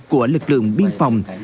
của lực lượng biên phòng